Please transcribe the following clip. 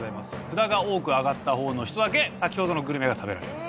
札が多く挙がった方の人だけ先ほどのグルメが食べられる。